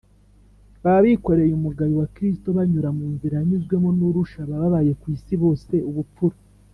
baba bikoreye umugayo wa kristo banyura mu nzira yanyuzwemo n’urusha ababaye ku isi bose ubupfura